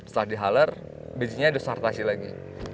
setelah di haller bisiknya udah startasi lagi